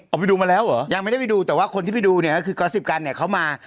เอาไปดูมาแล้วเหรอยังไม่ได้ไปดูแต่ว่าคนที่ไปดูเนี่ยก็คือกอล์สิบกันเนี่ยเขามา